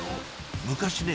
昔ね